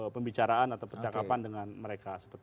pembicaraan atau percakapan dengan mereka